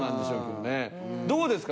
どうですか？